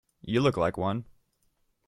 You look like one.